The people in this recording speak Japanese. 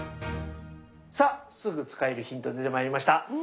さあすぐ使えるヒント出てまいりました。